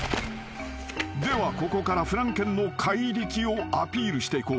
［ではここからフランケンの怪力をアピールしていこう］